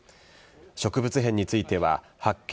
植物片については発見